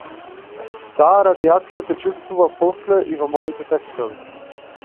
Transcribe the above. Таа радијација се чувствува после и во моите текстови.